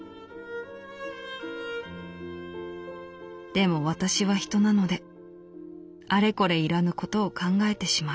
「でも私は人なのであれこれ要らぬことを考えてしまう。